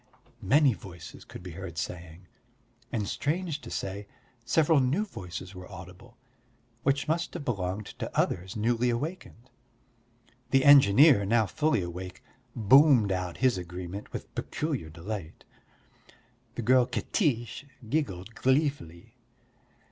many voices could be heard saying; and strange to say, several new voices were audible, which must have belonged to others newly awakened. The engineer, now fully awake, boomed out his agreement with peculiar delight. The girl Katiche giggled gleefully.